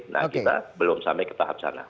nah kita belum sampai ke tahap sana